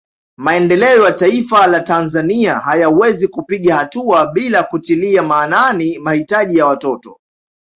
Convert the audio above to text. Maendeleo ya Taifa la Tanzania hayawezi kupiga hatua bila kutilia maanani mahitaji ya watoto